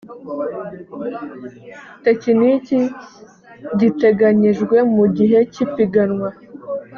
tekiniki giteganyijwe mu gihe cy ipiganwa